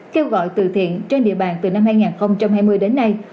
kêu gọi từ thiện trên địa bàn từ năm hai nghìn hai mươi đến nay